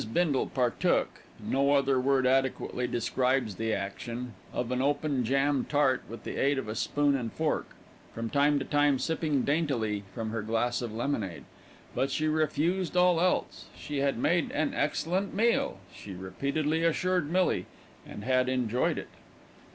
Bindle partook, no other word adequately describes the action, of an open jam tart with the aid of a spoon and fork, from time to time sipping daintily from her glass of lemonade; but she refused all else. She had made an excellent meal, she repeatedly assured Millie, and had enjoyed it.